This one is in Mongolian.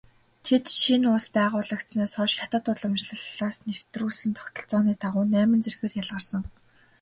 Тэд шинэ улс байгуулагдсанаас хойш хятад уламжлалаас нэвтрүүлсэн тогтолцооны дагуу найман зэргээр ялгарсан.